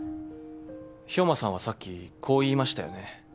兵馬さんはさっきこう言いましたよね。